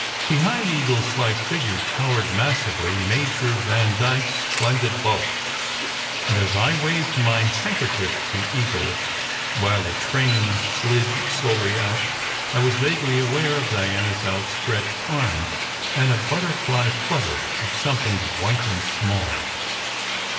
Behind Eagle s slight figure towered massively Major Vandyke s splendid bulk; and as I waved my handkerchief to Eagle, while the train slid slowly out, I was vaguely aware of Diana s outstretched arm and a butterfly flutter of something white and small.